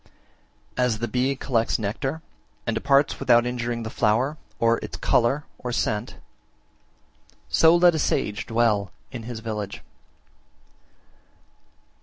49. As the bee collects nectar and departs without injuring the flower, or its colour or scent, so let a sage dwell in his village.